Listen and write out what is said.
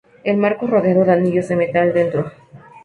El marco rodeado de anillos de metal dentro.